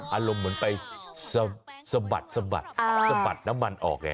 อารมณ์เหมือนไปสะบัดสะบัดสะบัดน้ำมันออกไง